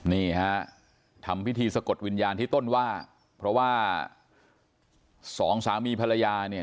นี่ฮะทำพิธีสะกดวิญญาณที่ต้นว่าเพราะว่าสองสามีภรรยาเนี่ย